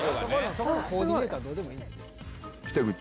そこのコーディネートはどうでもいいんですよ。